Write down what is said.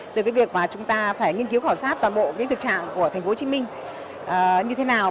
từ việc chúng ta phải nghiên cứu khảo sát toàn bộ thực trạng của tp hcm như thế nào